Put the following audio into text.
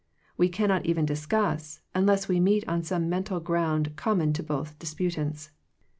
We cannot even discuss, unless we meet on some mental ground com mon to both disputants.